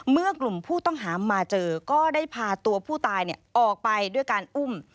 เมื่อกลุ่มผู้ต้องหามาเจอก็ได้พาตัวผู้ตายออกไปด้วยการอุ้ม